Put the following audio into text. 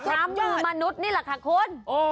จากชามมือมนุษย์นี่ล่ะค่ะคุณ